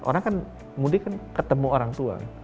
orang kan mudik kan ketemu orang tua